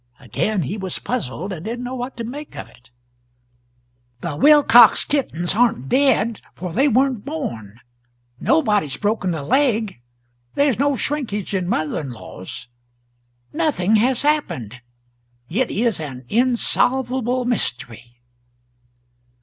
Again he was puzzled, and didn't know what to make of it. "The Wilcox kittens aren't dead, for they weren't born; nobody's broken a leg; there's no shrinkage in mother in laws; nothing has happened it is an insolvable mystery."